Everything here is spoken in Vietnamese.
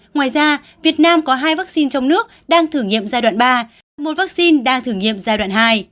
ngoài ra việt nam có hai vaccine trong nước đang thử nghiệm giai đoạn ba một vaccine đang thử nghiệm giai đoạn hai